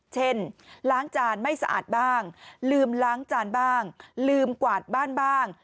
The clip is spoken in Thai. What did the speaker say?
ล้างจานไม่สะอาดบ้างลืมล้างจานบ้างลืมกวาดบ้านบ้าง